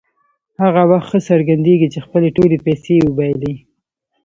هغه وخت ښه څرګندېږي چې خپلې ټولې پیسې وبایلي.